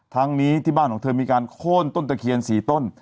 ทั้งนี้ที่บ้านของเธอมีการโค้นต้นตะเคียน๔ต้น